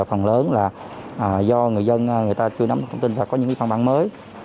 thì phần lớn là do người dân người ta chưa nắm được thông tin và có những văn bản mới